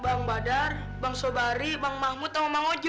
bang badar bang sobari bang mahmud sama bang ojo